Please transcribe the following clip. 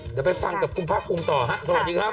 เดี๋ยวไปฟังกับคุณภาคภูมิต่อฮะสวัสดีครับ